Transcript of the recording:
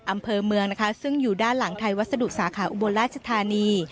อำเภอเมืองนะคะซึ่งอยู่ด้านหลังไทยวัสดุสาขาอุบลราชธานี